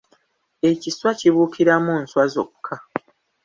Ekiswa kibuukiramu nswa zokka.